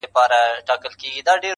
لنډۍ په غزل کي، څلورمه برخه٫